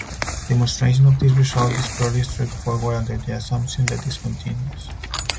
Demonstration of this result is fairly straightforward under the assumption that is continuous.